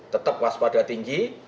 tetap waspada tinggi